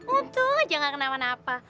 untung aja gak kenapa napa